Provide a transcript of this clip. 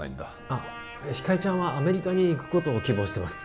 あっひかりちゃんはアメリカに行くことを希望してます